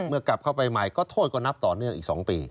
กลับเข้าไปใหม่ก็โทษก็นับต่อเนื่องอีก๒ปี